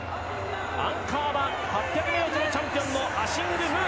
アンカーは８００ｍチャンピオンアシング・ムー。